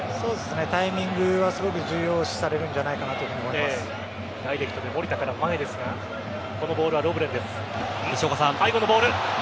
タイミングはすごく重要視されるんじゃダイレクトで守田から前ですがこのボールはロヴレンです。